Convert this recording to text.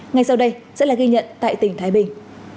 ngay sau đây sẽ là ghi nhận tại tỉnh thái bình